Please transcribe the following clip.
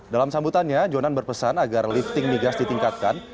dalam sambutannya jonan berpesan agar lifting migas ditingkatkan